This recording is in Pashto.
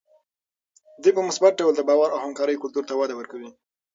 دوی په مثبت ډول د باور او همکارۍ کلتور ته وده ورکوي.